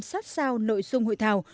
chưa quan tâm sát sao nội dung hội thảo